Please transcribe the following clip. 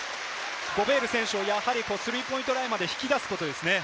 ゴベール選手をスリーポイントラインまで引き戻すことですね。